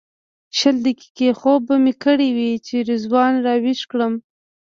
شل دقیقې خوب به مې کړی وي چې رضوان راویښ کړم.